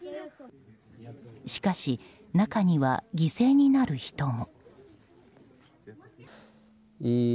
しかし中には犠牲になる人も。